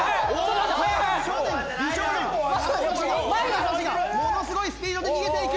金指がものすごいスピードで逃げていく！